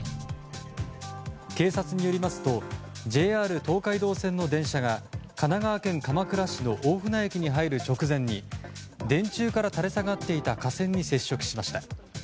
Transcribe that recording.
警察によりますとＪＲ東海道線の電車が神奈川県鎌倉市の大船駅に入る直前に電柱から垂れ下がっていた架線に接触しました。